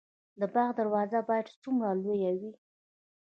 د باغ دروازه باید څومره لویه وي؟